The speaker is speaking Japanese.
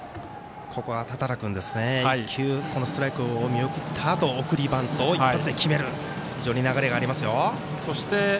ここは多田羅君２球、ストライクを見送ったあと、送りバントを一発で決める非常に流れがあります。